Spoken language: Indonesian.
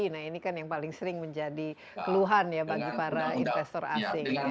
nah ini kan yang paling sering menjadi keluhan ya bagi para investor asing